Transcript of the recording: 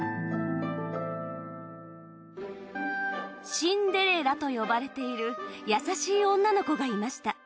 シンデレラと呼ばれている優しい女の子がいました。